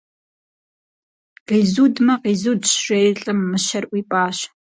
Къизудмэ, къизудщ, - жери лӏым мыщэр ӏуипӏащ.